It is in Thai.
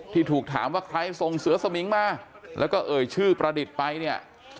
ที่ถูกถามว่าใครส่งเสือสมิงมาแล้วก็เอ่ยชื่อประดิษฐ์ไปเนี่ย